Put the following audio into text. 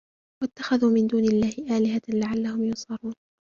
وَاتَّخَذُوا مِنْ دُونِ اللَّهِ آلِهَةً لَعَلَّهُمْ يُنْصَرُونَ